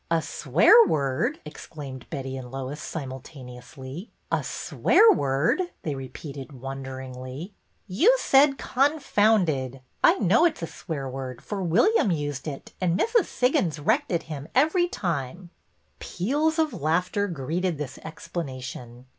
''A swear word!" exclaimed Betty and Lois, simultaneously. '' A swear word !" they re peated wonderingly. You said ' confounded.' I know it 's a swear word, for William used it, and Mrs. Siggins 'rected him every time." Peals of laughter greeted this explanation.